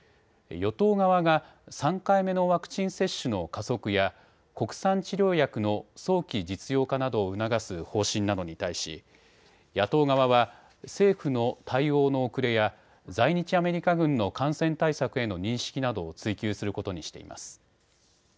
与党側が３回目のワクチン接種の加速や国産治療薬の早期実用化などを促す方針なのに対し野党側は政府の対応の遅れや在日アメリカ軍の感染対策への認識などを追及することにしています。